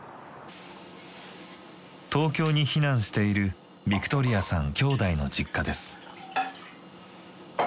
東京に避難しているヴィクトリヤさん姉弟の実家です。